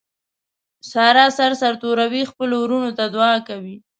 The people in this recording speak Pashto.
ساره سر سرتوروي خپلو ورڼو ته دعاکوي.